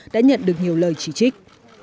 đã nhận được nhiều lời chỉ trích